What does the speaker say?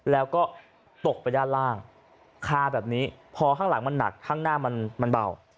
แล้วก็ตกไปด้านล่างคาแบบนี้พอข้างหลังมันหนักข้างหน้ามันเบา